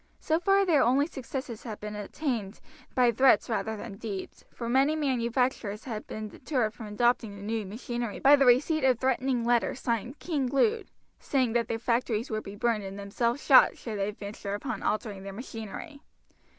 So far their only successes had been obtained by threats rather than deeds, for many manufacturers had been deterred from adopting the new machinery by the receipt of threatening letters signed "King Lud," saying that their factories would be burned and themselves shot should they venture upon altering their machinery.